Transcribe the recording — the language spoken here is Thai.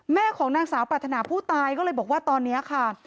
ของนางสาวปรัฐนาผู้ตายก็เลยบอกว่าตอนนี้ค่ะ